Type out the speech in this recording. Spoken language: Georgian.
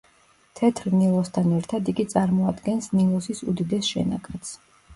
თეთრ ნილოსთან ერთად იგი წარმოადგენს ნილოსის უდიდეს შენაკადს.